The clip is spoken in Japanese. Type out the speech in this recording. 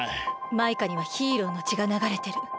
マイカにはヒーローのちがながれてる。